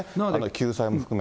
救済も含め。